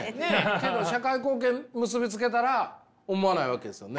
けど社会貢献結び付けたら思わないわけですよね。